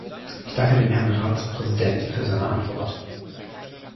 Ich danke dem Herrn Ratspräsidenten für seine Antwort.